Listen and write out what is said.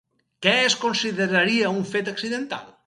Què es consideraria un fet accidental?